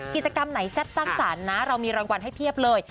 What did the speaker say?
กิจกรรมไหนแซ่บสร้างสรรค์นะเรามีรางวัลให้เพียบเลย